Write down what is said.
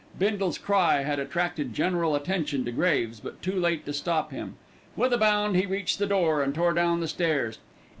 Bindle's cry had attracted general attention to Graves, but too late to stop him. With a bound he reached the door and tore down the stairs.